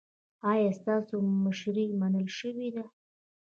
ایا ستاسو مشري منل شوې ده؟